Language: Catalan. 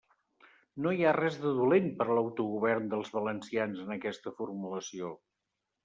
No hi ha res de dolent per a l'autogovern dels valencians en aquesta formulació.